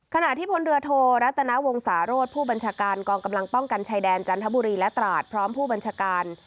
ขณะที่พลเรือโทรัตนาวงศาโรธผู้บัญชาการกองกำลังป้องกันชายแดนจันทบุรีและตราดพร้อมผู้บัญชาการ